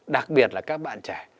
đặc biệt là các bạn trẻ